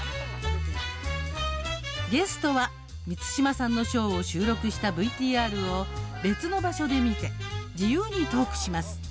ゲストは満島さんのショーを収録したＶＴＲを別の場所で見て自由にトークします。